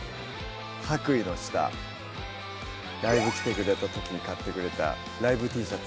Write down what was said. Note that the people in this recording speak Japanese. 白衣の下ライブ来てくれた時に買ってくれたライブＴシャツ